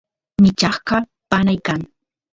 michasqa panay kan